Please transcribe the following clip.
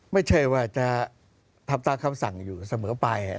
ไม่ใช่ว่าจะทำตามคำสั่งอยู่เสมอไป